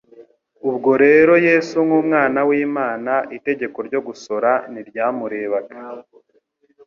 ubwo rero Yesu nk'Umwana w'Imana, itegeko ryo gusora ntiryamurebaga.